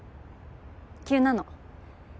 急なの。